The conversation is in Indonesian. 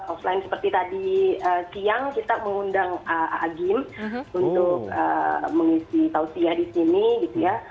offline seperti tadi siang kita mengundang a'agin untuk mengisi tausiah di sini gitu ya